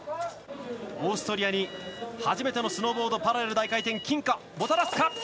オーストリアに初めてのスノーボードパラレル大回転もたらすか。